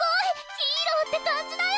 ヒーローって感じだよ！